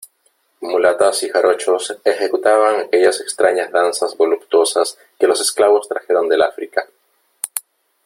mulatas y jarochos ejecutaban aquellas extrañas danzas voluptuosas que los esclavos trajeron del África ,